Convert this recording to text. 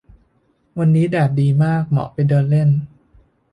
วันนี้แดดดีมาก เหมาะไปเดินเล่น